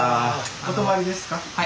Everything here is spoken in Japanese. お泊まりですか？